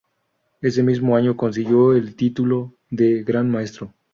Ese mismo año, consiguió en título de gran maestro.